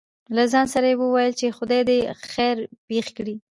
له ځان سره يې وويل :چې خداى دې خېر پېښ کړي.